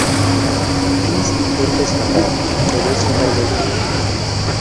Chris intenta escapar, pero es finalmente detenido.